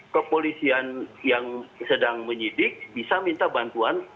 kepolisian yang sedang menyidik bisa minta bantuan